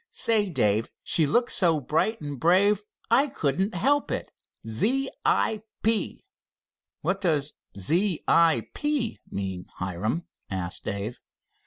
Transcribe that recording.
Say, Dave, she looked so bright and brave I couldn't help it Z I P!" "What does 'Z I P!' mean, Hiram?" asked Dave.